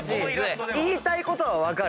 言いたいことは分かる。